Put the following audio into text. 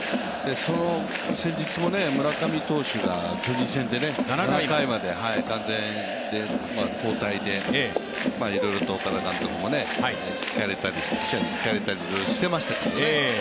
先日もね村上投手が巨人戦で７回まで完全で交代で、岡田監督も記者に聞かれたりいろいろしていましたけれども。